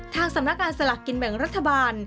ทางสำนักงานสลากกินแบ่งรัฐบาล